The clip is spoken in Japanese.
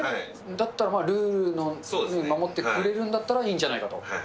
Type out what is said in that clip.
だったらルールを守ってくれるんだったらいいんじゃないかと。